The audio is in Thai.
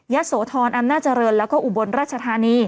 โสธรอำนาจเจริญแล้วก็อุบลราชธานี